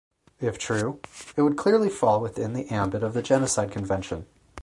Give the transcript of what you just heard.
If true, it would clearly fall within the ambit of the Genocide Convention.